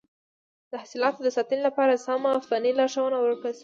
د حاصلاتو د ساتنې لپاره سمه فني لارښوونه ورکړل شي.